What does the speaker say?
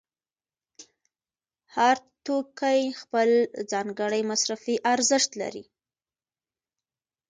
هر توکی خپل ځانګړی مصرفي ارزښت لري